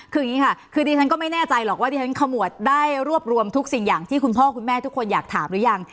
คืออย่างนี้ค่ะคือดิฉันก็ไม่แน่ใจหรอกว่าดิฉันขมวดได้รวบรวมทุกสิ่งอย่างที่คุณพ่อคุณแม่ทุกคนอยากถามหรือยัง